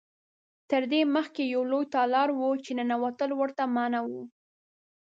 تر دې مخکې یو لوی تالار و چې ننوتل ورته منع و.